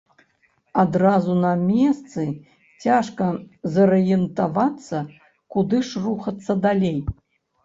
Адразу на месцы цяжка зарыентавацца, куды ж рухацца далей.